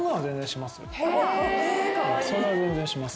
それは全然します。